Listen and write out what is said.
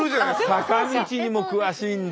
坂道にも詳しいんだ！